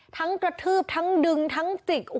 กระทืบทั้งดึงทั้งจิก